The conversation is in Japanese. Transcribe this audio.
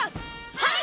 はい！